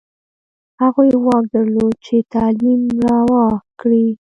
هغوی واک درلود چې تعلیم روا کړي.